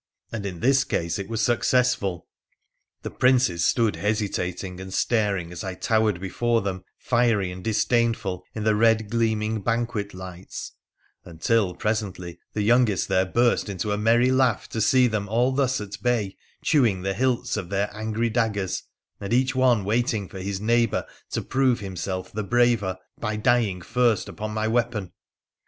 And in this case it was suc cessful. The princes stood hesitating and staring as I towered before them, fiery and disdainful, in the red gleaming banquet lights ; until presently the youngest there burst into a merry laugh to see them all thus at bay, chewing the hilts of their angry daggers, and each one waiting for his neighbour to prove himself the braver, by dying first upon my weapon.